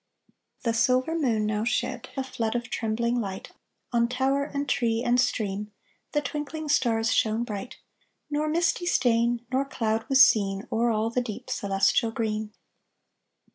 The silver moon now shed A flood of trembling light On tower, and tree, and stream; The twinkling stars shone bright, Nor misty stain Nor cloud was seen O'er all the deep Celestial green.